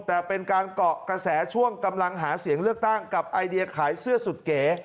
แต่เป็นการเกาะกระแสช่วงกำลังหาเสียงเลือกตั้งกับไอเดียขายเสื้อสุดเก๋